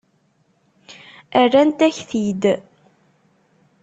Rrant-ak-t-id.